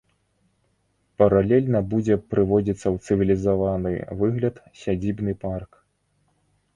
Паралельна будзе прыводзіцца ў цывілізаваны выгляд сядзібны парк.